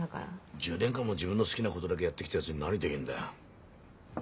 １０年間も自分の好きなことだけやって来たヤツに何できんだよ。